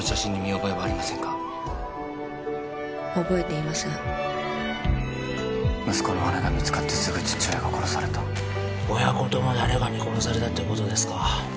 覚えていません息子の骨が見つかってすぐ父親が殺された親子とも誰かに殺されたってことですか？